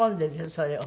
それを。